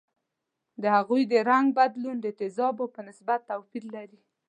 د هغوي د رنګ بدلون د تیزابو په نسبت توپیر لري.